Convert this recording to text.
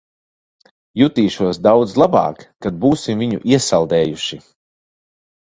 Jutīšos daudz labāk, kad būsim viņu iesaldējuši.